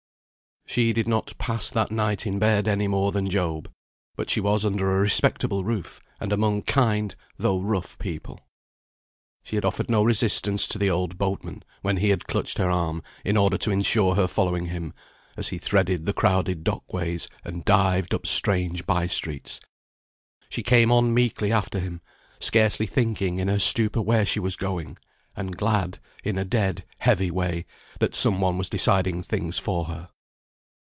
She did not pass that night in bed any more than Job; but she was under a respectable roof, and among kind, though rough people. She had offered no resistance to the old boatman, when he had clutched her arm, in order to insure her following him, as he threaded the crowded dock ways, and dived up strange bye streets. She came on meekly after him, scarcely thinking in her stupor where she was going, and glad (in a dead, heavy way) that some one was deciding things for her.